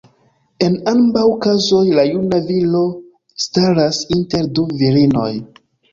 En ambaŭ kazoj la juna "viro" staras inter du virinoj.